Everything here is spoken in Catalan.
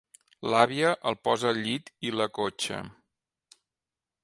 L'àvia el posa al llit i l'acotxa.